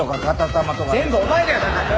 全部お前だよ！